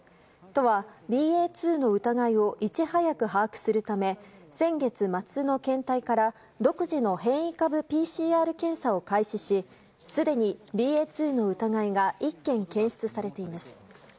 都はＢＡ．２の疑いをいち早く把握するため先月末の検体から独自の変異株ＰＣＲ検査を開始しすでにＢＡ．２の疑いが１件検出されています。